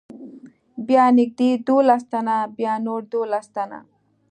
بیا نږدې دولس تنه، بیا نور دولس تنه.